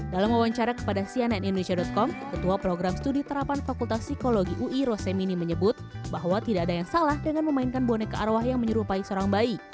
dalam wawancara kepada cnn indonesia com ketua program studi terapan fakultas psikologi ui rosemini menyebut bahwa tidak ada yang salah dengan memainkan boneka arwah yang menyerupai seorang bayi